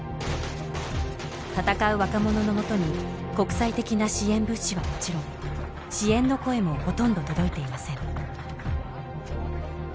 闘う若者のもとに国際的な支援物資はもちろん支援の声もほとんど届いていません